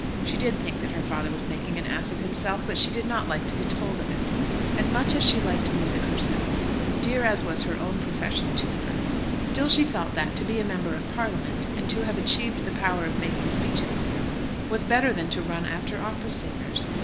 She did think that her father was making an ass of himself, but she did not like to be told of it. And much as she liked music herself, dear as was her own profession to her, still she felt that, to be a Member of Parliament, and to have achieved the power of making speeches there, was better than to run after opera singers.